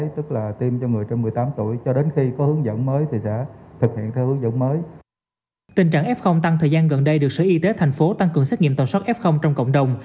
tình trạng f tăng thời gian gần đây được sở y tế tp hcm tăng cường xét nghiệm tổng soát f trong cộng đồng